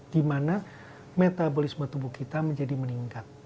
di mana metabolisme tubuh kita menjadi meningkat